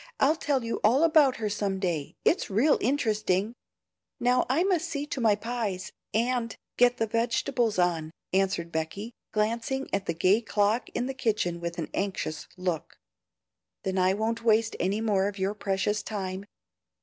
I'll tell you all about her some day, it's real interesting; now I must see to my pies, and get the vegetables on," answered Becky, glancing at the gay clock in the kitchen with an anxious look. "Then I won't waste any more of your precious time.